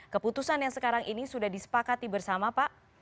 keputusan yang sekarang ini sudah disepakati bersama pak